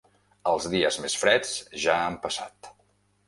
Els dies més freds ja han passat.